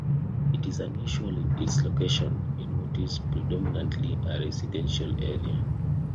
It is unusual in its location in what is predominantly a residential area.